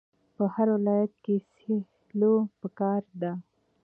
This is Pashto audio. په هر ولایت کې سیلو پکار ده.